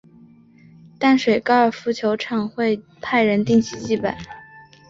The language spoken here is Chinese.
淡水高尔夫球场会派人定期祭拜。